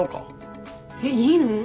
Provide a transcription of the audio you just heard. えっいいの？